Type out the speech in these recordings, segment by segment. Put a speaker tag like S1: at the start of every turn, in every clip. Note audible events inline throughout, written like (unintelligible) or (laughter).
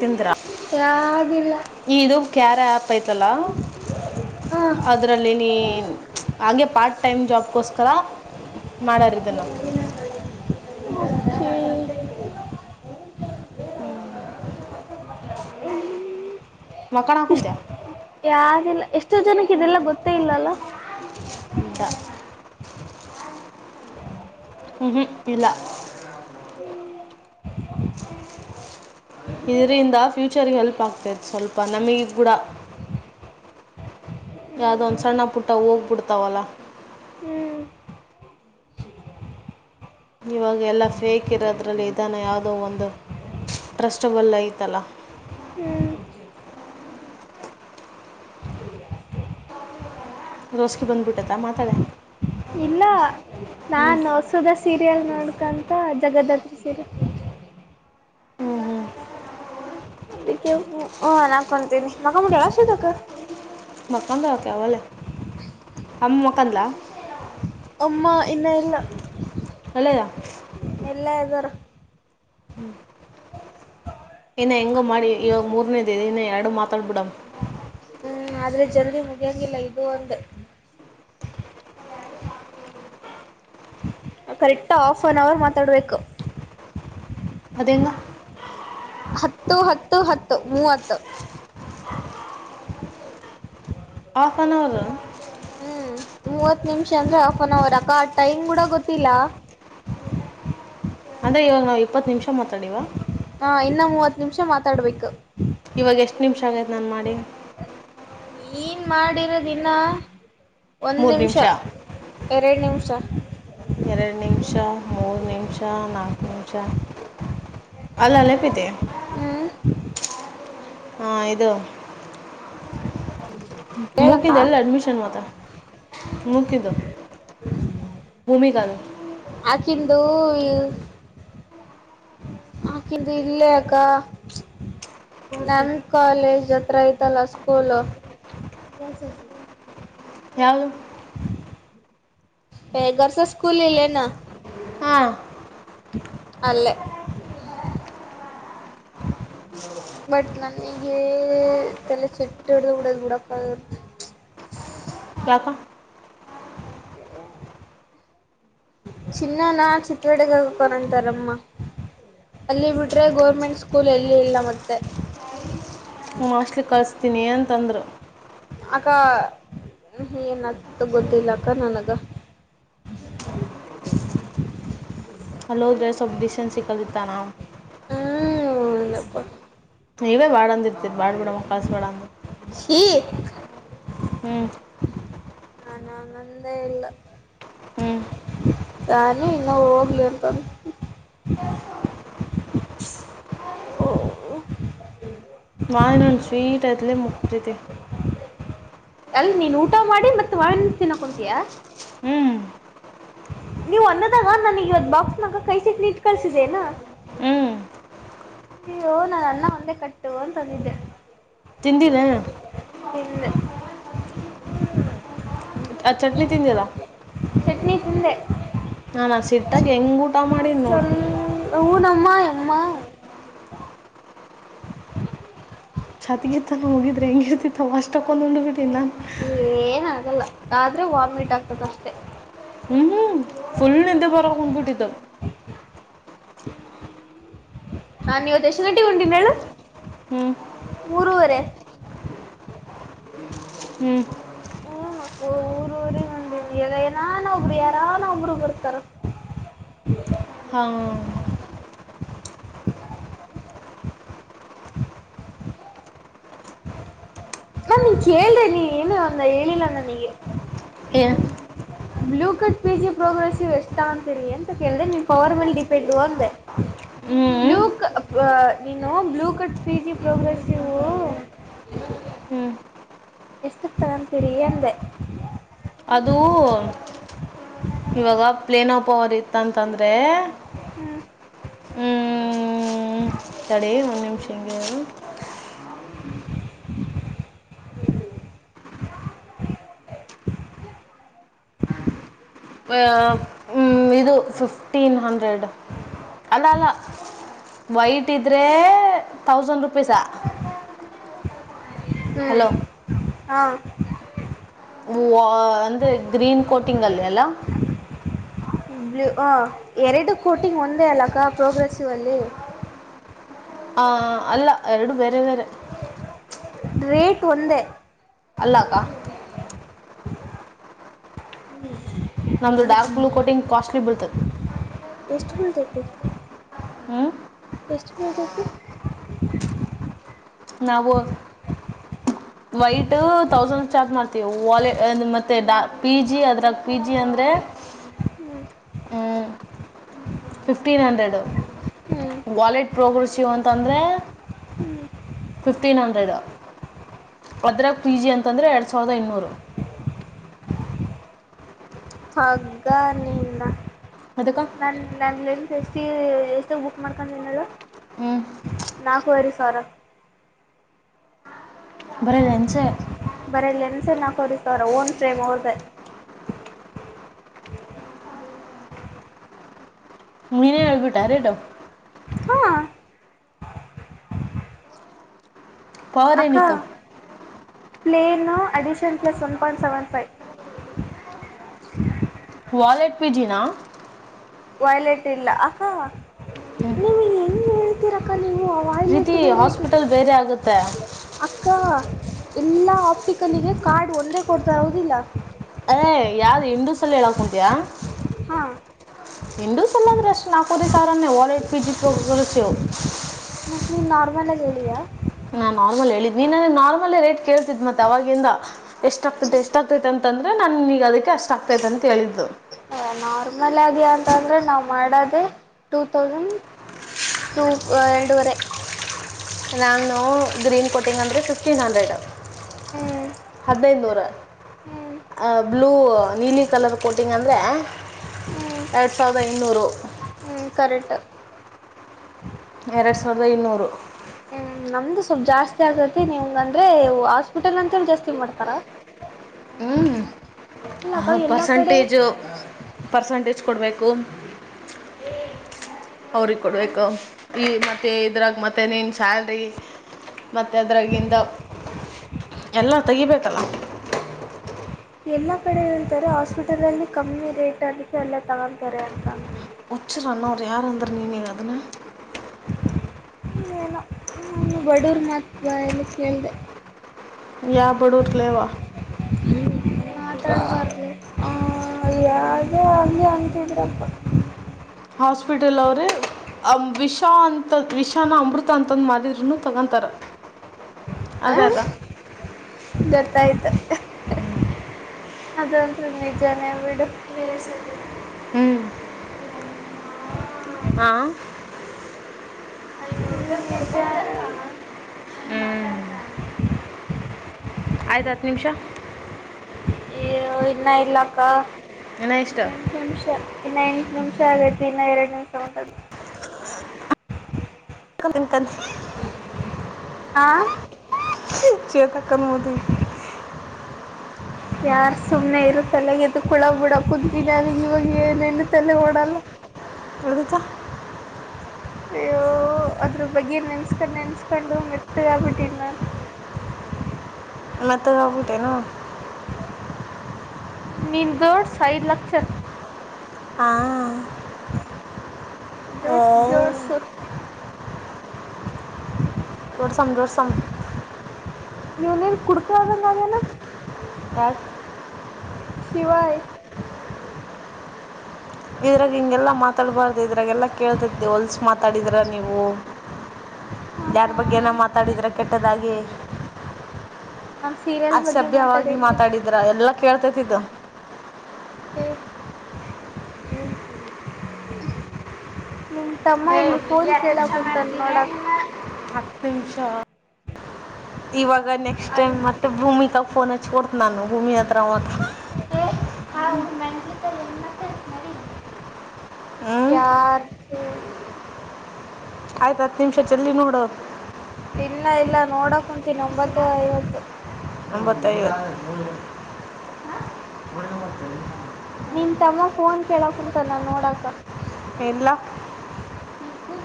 S1: ತಿಂದ್ರಾ
S2: ಯಾವ್ದಿಲ್ಲ
S1: ಇದು ಕ್ಯಾರ ಆ್ಯಪ್ ಐತಲ್ಲಾ
S2: ಹಾ
S1: ಅದರಲ್ಲಿ ನೀ ಹಾಗೇ ಪಾರ್ಟ್ ಟೈಮ್ ಜಾಬ್ಗೋಸ್ಕರ ಮಾಡೋಾರಿದ್ದ ನ
S2: ಹ್ಮ್
S1: ಮಕ್ಕಳ ಕುತ್ಯ
S2: ಯಾರಇಲ್ಲ ಎಷ್ಟೋ ಜನಕ್ಕೆ ಇದೆಲ್ಲ ಗೊತ್ತೇ ಇಲ್ಲಲ್ಲ
S1: (inaudible) ಹ್ಮ್ ಹ್ಮ್ ಇಲ್ಲ ಇದರಿಂದ ಫ್ಯೂಚರ್ಗೆ ಹೆಲ್ಪ್ ಆಗ್ತೈತೆ ಸ್ವಲ್ಪ ನಮಗ ಕೂಡ ಯಾವ್ದದೊಂದ ಸಣ್ಣ ಪುಟ್ಟ ಹೋಗ್ಬ ಬಿಡ್ತಾವಲ್ಲ
S2: ಹ್ಮ್
S1: ಇವಾಗ ಎಲ್ಲ ಫೇಕ್ ಇರೋದ್ರಲ್ಲಿ ಇದಾನ ಯಾವುದೋ ಒಂದು ಟ್ರಸ್ಟಬಲ್ ಐತಲ್ಲ
S2: ಹ್ಮ್
S1: ರೋಸ್ ಗೆ ಬಂದು ಬುಟ್ಟತಾ ಮಾತಾಡೆ
S2: ಇಲ್ಲ
S1: ಹ್ಞೂ
S2: ನಾನ್ ಹೊಸದ ಸೀರಿಯಲ್ ನೋಡ್ಕಂತ ಜಗದ್ದತ್ರಿ ಸೀರಿಯಲ್
S1: ಹ್ಞೂ ಹ್ಞೂ
S2: ಹ ನಾಕೊಂಡ ತ ನೀ ನ ಮುಷ್ಟ ತಕ (inaudible)
S1: ಮಕ್ಕಂದ ಅವಾಗ್ ಅಲ್ಲೆ ಅಮ್ಮ ಮಕ್ಕದಾ
S2: ಅಮ್ಮ ಇನ್ನ ಇಲ್ಲ
S1: ಹಲೋ
S2: ಇಲೇ ಇದಾರ
S1: ಇನ್ನ ಹೆಂಗೋ ಮಾಡಿ ಇವಾಗ ಮೂರನೇದ ಇನ್ನ ಎರಡು ಮಾತಾಡ್ಬಿಡಮ
S2: ಹ್ಮ್ ಆದ್ರೆ ಜಲ್ದಿ ಮುಗಿಯಂಗಿಲ್ಲ ಇದು ಒಂದು ಕರೆಕ್ಟ್ ಹಾಫ್ ಒನ್ ಅವರ್ ಮಾತಾಡ್ಬೇಕು
S1: ಅದೇಂಗ
S2: ಹತ್ತು ಹತ್ತು ಹತ್ತು ಮೂವತ್ತು
S1: ಹಾಫ್ ಒನ್ ಅವರ್
S2: ಹ್ಮ್ ಮೂವತ್ ನಿಮಿಷ ಅಂದ್ರೆ ಆಫ್ ಅನ್ ಅವರ್ ಅಕ್ಕ ಆ ಟೈಮ್ ಕೂಡ ಗೊತ್ತಿಲ್ಲಾ
S1: ಅಂದ್ರೆ ಇವಾಗ ನಾವು ಇಪ್ಪತ್ತು ನಿಮಿಷ ಮಾತಾಡಿವಾ
S2: ಹಾ ಇನ್ನ ಮೂವತ್ ನಿಮಿಷ ಮಾತಾಡ್ಬೇಕು
S1: ಇವಾಗ ಎಷ್ಟು ನಿಮಿಷ ಆಗೈತ ನಾನು ಮಾಡಿ
S2: ಏನು ಮಾಡಿರೋ ಇನ್ ಒಂದು ನಿಮಿಷ ಎರಡು ನಿಮಿಷ
S1: ಎರಡು ನಿಮಿಷ, ಮೂರು ನಿಮಿಷ, ನಾಲ್ಕು ನಿಮಿಷ, ಅಲ್ಲ ಅಲ್ಲೇಪೇತೆ
S2: ಹ್ಮ
S1: ಹಾ ಇದು
S2: ಹೇಳಕ್ಕ
S1: ಮುಗಿದ್ದು ಎಲ್ಲ ಅಡ್ಮಿಷನ್ ಮಾತ್ರ ಮುಗಿದ್ದು ಭೂಮಿಕಾ
S2: ಆಕಿಂದು ಆಕಿದ ಇಲ್ಲೆ ಅಕ್ಕಾ ನಮ ಕಾಲೇಜ್ ಹತ್ರ ಐತಲ್ಲ ಸ್ಕೂಲ್
S1: (unintelligible)
S2: ಬರ್ಸ ಸ್ಕೂಲ್ ಇಲ್ಲ ಎನ್
S1: ಹಾ
S2: ಅಲ್ಲೇ ಬಟ್ ನನಗೆ ತಲೆ ಚೆಟ್ ಹಿಡ್ದ ಬಿಡದು ಬಿಡಪ್ಪ
S1: ಯಾಕ
S2: ಹ್ಮ್ ಚಿನ್ನ ನ ಚಿತ್ರಟಗ ಕನಂತಾರಮ್ಮ ಅಲ್ಲಿ ಬಿಟ್ರೆ ಗೋರ್ಮೆಂಟ್ ಸ್ಕೂಲ್ ಎಲ್ಲಿ ಇಲ್ಲ ಮತ್ತೆ
S1: ಮೋಸ್ಟಲಿ ಕಳಸ್ತೀನಿ ಅಂತಂದ್ರರು
S2: ಅಕ್ಕ ಏನತ್ತು ಗೊತ್ತಿಲ್ಲ ಅಕ್ಕ ನನಗ
S1: ಹಲೋದ್ರ ಸ್ವಲ್ಪ ಡಿಶನ್ ಕಲಿತ್ತಾನ
S2: ಹ್ಮಪ್ಪ
S1: ನೀವೇ ಬಾಡ ಅಂದಿರ್ತಿರಿ ಬ್ಯಾಡ್ ಬಿಡಮ್ಮ ಕಳಸ ಬ್ಯಾಡ್ ಅಂದ
S2: (unintelligible)
S1: ಹ್ಮಞ
S2: ನ ನಂದೇ ಇಲ್ಲ
S1: ಹ್ಞೂ
S2: ನಾನು ಇನ್ನ ಹೋಗ್ಲಿ ಅಂತ ಓ
S1: ಮಾವಿನ್ ಹನ್ನ ಸ್ವೀಟ್ ಅದಲೇ ಮುಕ್ತಿದೆ
S2: ಅಲ್ ನೀನ್ ಊಟ ಮಾಡಿ ಮತ್ತತ್ಳ ತಿನ್ನ ಕುತೀಯಾ
S1: ಹ್ಞೂ
S2: ನೀವು ಅನ್ನದಾಗ ನ್ನನಗ ಇವತ ಬಾಕ್ಸ್ನಾಗ ಕಸಕ್ ನಿಟ್ ಕಳ್ಸಿದೆೇನಾ
S1: ಹ್ಞೂ
S2: ಅಯ್ಯೋ ನಾನ ಅನ್ನ ಒಂದೇ ಕಟ್ಟು ಅಂತಂದಿದ್ದೆ
S1: ತಿಂದಿಲ ಎನ್
S2: ಇನ್ನ (unintelligible)
S1: ಆ ಚಟ್ನಿ ಇದ್ದೆ ಅಲ್ಲ
S2: ಚಟ್ನಿ ತಿಂದೆ
S1: ನಾನ್ ಸಿಟ್ಟಾಗಿ ಹೆಂಗ್ ಊಟ ಮಾಡಿನೊ
S2: ಊನಮ್ಮ ಎಮ್ಮ (unintelligible)
S1: ಛತಿಗೆತ್ತಾನ ಹೋಗಿದ್ರೆ ಹೆಂಗಿರ್ತಿತ್ತವ ಅಷ್ಟ ತೊಗೊಂಡ್ ಉಂಡ ಬಿಟ್ಟೀನಿ ನಾನ
S2: ಏನಗಲ್ಲ ಆದ್ರೆ ವಾಮಿಟ್ ಆಗ್ತದ ಅಷ್ಟೆ.
S1: ಹ್ಞೂ ಫುಲ್ ನಿದ್ದೆ ಬರಕತ್ತ ಬಿಟ್ಟಿತ್ತ
S2: (unintelligible) (inaudible) ನಾ ಇವತ್ತ ಎಷ್ಟ ಗಂಟೆಗೆ ಉಂಡೇನ ಹೇಳು
S1: ಹ್ಞೂ
S2: (inaudible) ಮೂರುವರೆ
S1: ಹ್ಮ್
S2: ಹ್ಮ್ ಊರ ಊರಿ ಬಂದಿನಿ ಎಗ ಏನಾನ ಒಬ್ರು ಯಾರಾನ ಒಬ್ರು ಬರತಾರ್
S1: ಹಾ
S2: ನಾ ನಿನ್ನ ಕೇಳ್ದೇ ನೀ ಏನು ಅಂದ ಹೇಳಿಲ್ಲ ನನಗೆ
S1: (unintelligible)
S2: blue cut P G progress ಎಷ್ಟ ತಗೋತೀರಿ ಅಂತ ಕೇಳಿದೆ ನಿಮ್ ಪವರ್ ಮೇಲೆ ಡಿಪೆಂಡ್ ಅಂದೇ
S1: ಹ್ಞೂ
S2: ಬ್ಲೂ ಕ್ ಅಪ್ ನೀನು blue cut P G progress ಯುವು
S1: ಹ್ಞೂ
S2: ಎಷ್ಟ ತಗೋತಿರಿ ಅಂದೆ.
S1: ಅದುೂ ಇವಾಗ ಪ್ಲೇನ್ ಆಪ ಅವರ್ ಇತ್ತಂತಂದರೆ.
S2: ಹ್ಮ್
S1: ತಡೆ ಒಂದು ನಿಮಿಷ ಹಂಗೆ ಇರು ಈವಾಗ್ ಹ್ಮ್ಮ್ ಇದು ಫಿಫ್ಟೀನ್ ಹಂಡ್ರೆಡ್ (inaudible) ಅಲ್ಲ ಅಲ್ಲ ವೈಟ್ ಇದ್ರೆ ತೌಸಂಡ್ ರುಪೀಸಾ..
S2: ಹ್ಮ್
S1: ಹಲೋ
S2: (unintelligible) ಹಾ
S1: ಹೂವ್ವ್ ಅಂದ್ರೆ ಗ್ರೀನ್ ಕೋಟಿಂಗ್ ಅಲ್ಲಿ ಅಲ್ಲಾ
S2: ಬ್ಲೂ ಹ ಎರಡು ಕೋಟಿಂಗ್ ಒಂದೇ ಅಲ್ಲಕ್ಕ ಪ್ರೋಗ್ರೆಸಿವ್ ಅಲ್ಲಿ
S1: ಆ ಅಲ್ಲ ಎರಡು ಬೇರೆ ಬೇರೆ.
S2: (inaudible) ರೇಟ್ ಒಂದೇ
S1: ಅಲ್ಲಕ್ಕಾ
S2: (unintelligible)
S1: ನಮ್ಮದು
S2: ಮುಂದ
S1: ಡಾರ್ಕ್ ಬ್ಲೂ ಕೋಟಿಂಗ್ ಕಾಸ್ಟ್ಲಿ ಬೀಳ್ತದೆ
S2: (unintelligible) ಎಷ್ಟ ಬಿಳ್ಳತೇತಿ
S1: ಹ್ಞೂ
S2: (inaudible) ಎಷ್ಟ ಬಿಳ್ಳತೇತಿ
S1: ನಾವ ವೈಟ ತೌಸಂಡ್ ಚಾರ್ಜ್ ಮಾಡತೀವಿ ವಾಲೆ ಮತ್ತೆ ಡಾ ಪಿ ಜಿ ಅದ್ರಾಗ ಪಿ ಜಿ ಅಂದರೆ
S2: ಹ್ಮ್
S1: ಫಿಫ್ಟೀನ್ ಹಂಡ್ರೆಡು
S2: ಹ್ಮ್
S1: ವಾಲೆಟ್ ಪ್ರೋಗ್ರೆಸೀಿವ್ ಅಂತಂದರೆ. ಫಿಫ್ಟೀನ್ ಹಂಡ್ರೆಡು ಅದ್ರಾಗ ಪಿ ಜಿ ಅಂತಂದರೆ ಎರಡು ಸಾವಿರದ ಇನ್ನೂರು.
S2: ಹಗ್ಗ ನಿನ್ನ
S1: ಅದಕ್ಕೆ
S2: (inaudible) ನನ್ನ ನಾ ಲೆಂತ ಎಷ್ಟ ಎಷ್ಟ ಬುಕ್ ಮಾಡ್ಕೊಂಡನಲ್ಲ
S1: ಹ್ಞೂ
S2: ನಾಕುವರಿ ಸಾವರ
S1: (unintelligible)
S2: ಬರೀ ಲೆನ್ಸ್ ನಾಕುವರಿ ಸಾವಿರ ಓನ್ ಫ್ರೇಮ್ ಅವ್ರದೆ
S1: ನೀನೇ ಹೇಳ್ಬಿಟ್ಟ ರೇಟು.
S2: ಹಾ
S1: ಪವರ್
S2: ಅಕ್ಕ
S1: ಏನಿತ್ತು
S2: plain addition plus one point seven five.
S1: Wallet ಪಿಜಿನಾ
S2: ವಾಯ್ಲೆಟ್ ಇಲ್ಲ ಅಕ್ಕ ನೀವು ಹೆಂಗ ಹೇಳ್ತೀರಕ್ಕ ನೀವು ವಾಯ್ಲೆಟ್
S1: ಪ್ರೀತಿ
S2: ಬೇರೆ
S1: ಹಾಸ್ಪಿಟಲ್ ಬೇರೆ ಆಗುತ್ತೆ
S2: ಅಕ್ಕ ಎಲ್ಲಾ ಆಪ್ಟಿಕಲಿಗೆ ಕಾರ್ಡ್ ಒಂದೇ ಕೊಡ್ತಾರ ಹೌದಿಲ್ಲ
S1: ಅದೆ ಯಾವದ್ ಹಿಂದೂಸಲ ಹೇಳಕೊಂತಿಯಾ
S2: ಹಾ
S1: ಹಿಂದೂಸಲಿ ಆದ್ರ ಎಷ್ಟ ನಾಕೂವರಿ ಸಾವಿರಾನೇ ಒಲ್ಟ್ ಪಿಜಿ ಪ್ರೋಗ್ರೆಸ್ಸಿವ್
S2: ಮತ್ತ ನೀ ನಾರ್ಮಲಾಗ ಹೇಳಿಯಾ
S1: ನಾನ್ ನಾರ್ಮಲ್ ಹೇಳಿದ್ ನೀನ್ ನನಗ ನಾರ್ಮಲೇ ರೇಟ್ ಕೇಳ್ತಿದ್ ಮತ್ತೆ ಅವಾಗಿಂದ ಎಷ್ಟ ಆಗ್ತೈತೆ ಎಷ್ಟ ಆಗ್ತೈತೆ ಅಂತ ಅಂತಂದ್ರೆ ನಾನೀಗ ಅದಕ್ಕೆ ಅಷ್ಟ ಆಗ್ತೈತೆ ಅಂತ ಹೇಳಿದ್ದ
S2: ನಾರ್ಮಲ್ ಆಗಿ ಅಂತ ಅಂದ್ರೆ ನಾವು ಮಾಡೋದೇ ಟೂ ತೌಸಂಡ್ ಟು ಎರಡೂವರೆ
S1: ನಾನು ಗ್ರೀನ್ ಕೋಟಿಂಗ ಅಂದ್ರೆ ಫಿಫ್ಟೀನ್ ಹಂಡ್ರೆಡ್
S2: ಹ್ಞೂ
S1: ಹದನೈದ ನೂರ್
S2: ಹ್ಞೂ
S1: ಆ ಬ್ಲೂ ನೀಲಿ ಕಲರ್ ಕೋಟಿಂಗ್ ಅಂದರೆ
S2: ಹ್ಮ್
S1: ಎರಡು ಸಾವಿರದ ಇನ್ನೂರು
S2: ಹ್ಮ್ ಕರೆಕ್ಟ್
S1: ಎರಡ್ ಸಾವಿರದ ಇನ್ನೂರು
S2: ಹ್ಮ್ ನಮ್ದು ಸ್ವಲ್ಪ ಜಾಸ್ತಿ ಆಗತಿ ನಿಮ್ಗ ಅಂದ್ರೆ ಹಾಸ್ಪಿಟಲ್ ಅಂತೇಳ ಜಾಸ್ತಿ ಮಾಡ್ತಾರಾ (inaudible)
S1: ಹ ಹಾ
S2: ಕಡೆ
S1: ಪರ್ಸೆಂಟೇಜ್ ಪರ್ಸಂಟೇಜ್ ಕೊಡಬೇಕು ಅವ್ರಿಗ
S2: ಅ
S1: ಕೊಡಬೇಕು ಈಗ ಮತ್ತ ಇದ್ರಾಗ ಮತ್ತೆ ನೀನ ಸ್ಯಾಲ್ರಿ ಮತ್ತೆ ಅದ್ರಾಗಿಂದ ಎಲ್ಲಾ ತೆಗಿಬೇಕಲ್ಲ
S2: ಎಲ್ಲಾ ಕಡೆ ಹೇಳ್ತಾರೆ ಹಾಸ್ಪಿಟಲಲ್ಲಿ ಕಮ್ಮಿ ರೇಟ್ ಅದಕ್ಕೆ ಅಲ್ಲೇ ತಗೊಂತಾರೆ ಅಂತ
S1: ಹುಚ್ಚರ ಅನ್ನೂರ ಯಾರ ಅಂದ್ರ ನೀನಗ ಅದನ್ನ
S2: ಏನೋ ನಾನು ಬಡೂರ್ ಮಾತ್ ಬಾಯಲ್ಲಿ ಕೇಳ್ದೇ
S1: ಯಾ ಬಡೂರ್ಲೆ ಯೆವ್ವಾ
S2: ಹ್ಮ ಮಾತಾಡಬಾರದು ಹ್ಮ್ ಯಾವದೇ ಹಂಗೆ ಅಂತಿದ್ರಪ್ಪ
S1: ಹಾಸ್ಪಿಟಲ್ ಅವ್ರೇ ಅ ವಿಷ ಅಂತ ವಿಷಾನ ಅಮೃತ ಅಂತಂದ ಮಾರಿದ್ರೂನು ತಗೊಂತಾರ
S2: ಹ ಗೊತ್ತಾಯ್ತು ಅದಂತ್ರು ನಿಜಾನೇ ಬಿಡು
S1: ಹ್ಮ್ ಹಾಂ
S2: (unintelligible) ಹ್ಮ್ ನಿಜಾನು
S1: ಹ್ಞೂ ಆಯ್ತ ಹತ್ತ ನಿಮಿಷ
S2: ಇಯೋ ಇನ್ನ ಇಲ್ಲಾಕ್ಕ
S1: ಇನ್ನ
S2: ಈಗ
S1: ಎಷ್ಟು
S2: ಎಂಟ್ ನಿಮಿಷ ಇನ್ನ ಎಂಟ ನಿಮಿಷ ಆಗೈತಿ ಇನ್ನ ಎರಡ್ ನಿಮಿಷ ಮಾತಾಡು
S1: (unintelligible)
S2: ಹಾ
S1: ಶ್ವೇತಕನೂರಿಗಿ
S2: ಯಾರ್ ಸುಮ್ನೆ ಇರು ತಲೆಗೆದಕುಳ ಬಿಡಕುತ್ತಿದ ನನಗ ಇವಾಗ ಏನೇನು ತಲೆ ಹೊಡಲ್ಲ
S1: ಎದ್ದಕ
S2: ಅಯ್ಯೋ ಅದ್ರ ಬಗ್ಗೆ ನೆನ್ಸ್ಕೊಂಡ್ ನೆನ್ಸ್ಕೊಂಡು ಮೆತ್ತಗಾಗಬಿಟ್ಟಿನಿ ನಾ
S1: ಲತ್ತಗಾಗ್ಬಿಟ್ ಏನು
S2: ನಿನ್ ಜೋಡ್ಸ್ ಐದ ಲಕ್ಷ
S1: ಹಾಂ ಏ
S2: ಜೋಡ್ಸ್ ಜೋಡ್ಸ್
S1: ಜೋಡಸ್ಮ್ ಜೋಡಸ್ಮ್
S2: ಇವನೇನೇ ಕುಡುಕ ಆದಂಗ್ ಆಗ್ಯಾನ
S1: (unintelligible)
S2: ಶಿವಾಯ
S1: ಇದ್ರಾಗ ಹಿಂಗೆಲ್ಲ ಮಾತಾಡಬಾರ್ದು ಇದ್ರಾಗೆಲ್ಲ ಕೇಳ್ತದ್ದ ಹೊಲ್ಸ ಮಾತಾಡಿದ್ರೆ ನೀವು
S2: ಹಾ
S1: ಯಾರ
S2: ಹಾ
S1: ಬಗ್ಗೆ ಏನೋ ಮಾತಾಡಿದ್ರ ಕೆಟ್ಟದಾಗಿ
S2: ನಾನು ಸೀರಿಯಲ್ ಬಗ್ಗೆ
S1: ಅಸಭ್ಯವಾಗಿ
S2: ಮಾತಾಡಿದ್ವಿ
S1: ಮಾತಾಡಿದ್ರ ಎಲ್ಲ ಕೇಳ್ತೇತಿ ಇದ
S2: ಹ್ಮ ಹ್ಮ ನಿಮ ತಮ್ಮ ಇಲ್ಲಿ ಫೋನ್ ಕೇಳಕ್ ಕುಂತನ ನೋಡಕ್
S1: ಹತ್ತು ನಿಮಿಷ ಇವಾಗ ನೆಕ್ಸ್ಟ್ ಟೈಮ್
S2: ಅಲ್ಲಿ
S1: ಮತ್ತೆ ಭೂಮಿಕಾ ಫೋನ್ ಕೊಡ್ತ ನಾನು ಭೂಮಿ ಹತ್ರ ಮತ್ತ್
S2: ಯಾರದ
S1: ಆಯ್ತ ಹತ್ ನಿಮಿಷ ಜಲ್ದಿ ನೋಡ
S2: ಇಲ್ಲ ಇಲ್ಲ ನೋಡ ಕುಂತೀನಿ ಒಂಬತ್ತು ಐವತ್ತು.
S1: ಒಂಬತ್ತ ಐವತ್ತ ಒಳಗತಿ (unintelligible)
S2: ನಿಮ್ ತಮ್ಮ ಫೋನ್ ಕೇಳಕ್ ಕುಂತನ್ ನೋಡ ಅಕ್ಕ
S1: ಎಲ್ಲ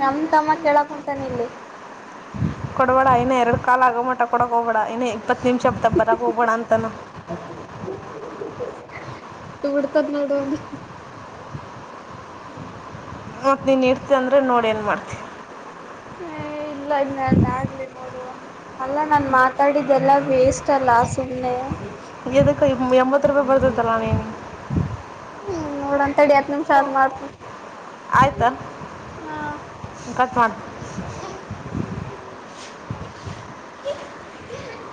S2: ನಮ ತಮ್ಮ ಕೇಳ ಕುಂತನ ಇಲ್ಲೆ
S1: ಕೊಡಬೇಡ ಇನ್ ಎರಡು ಕಾಲ ಆಗೋಮಟ ಕೊಡಕ್ಕೆ ಹೋಗಬೇಡ ಇನ ಇಪ್ಪತ್ತು ನಿಮಿಷ ಬರಕ್ಕೆೋಗಬೇಡ ಅನ
S2: ಹ ತುಡುತದ ನೋಡ ಅವಂದ
S1: ಮತ್ತ ನೀನ್ ಇಡ್ತಿ ಅಂದ್ರೆ ನೋಡ್ ಏನ್ ಮಾಡ್ತತಿ
S2: ಹ ಇಲ್ಲ ಇನ್ನ ನಂದ ಆಗ್ಲಿ ನೋಡು ಅಲ್ಲ ನಾನ ಮಾತಾಡಿದೆೆಲ್ಲ ವೇಸ್ಟ್ ಅಲ್ಲ ಸುಮ್ಮ್ನೆ
S1: ಎದಕ್ಕ ಎಂಬತ್ತು ರೂಪಾಯಿ ಬರ್ತತ್ತಲ್ಲ ನೀನ
S2: ಹ್ಮ್ ನೋಡನ ತಡಿ ಹತ್ ನಿಮಿಷ ಅತ್ ಮಾಡ್ತೀನಿ
S1: ಆಯ್ತಾ
S2: ಹಾ
S1: ಕಟ್ ಮಾಡ್